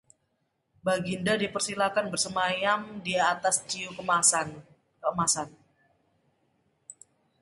Baginda dipersilakan bersemayam di atas ciu keemasan